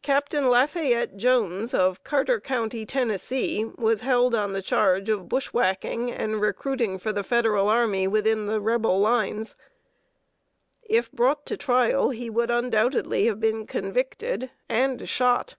Captain Lafayette Jones, of Carter County, Tennessee, was held on the charge of bushwhacking and recruiting for the Federal army within the Rebel lines. If brought to trial, he would undoubtedly have been convicted and shot.